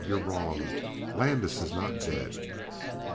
"You're wrong; Landis is not dead."